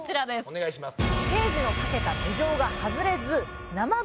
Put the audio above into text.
お願いします。